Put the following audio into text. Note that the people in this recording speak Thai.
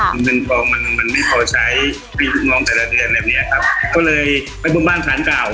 มันมันมันไม่พอใช้มีลูกน้องแต่ละเดือนแบบเนี้ยครับก็เลยไปบ้านบ้านผ่านเปล่า